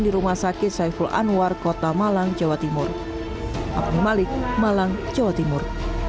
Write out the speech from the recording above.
di rumah sakit saiful anwar kota malang jawa timur abdi malik malang jawa timur